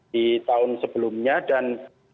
di tahun sebelumnya dan